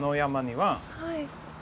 はい。